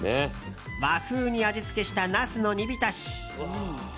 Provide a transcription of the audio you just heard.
和風に味付けしたナスの煮びたし。